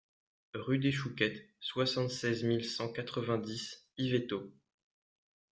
Rue des Chouquettes, soixante-seize mille cent quatre-vingt-dix Yvetot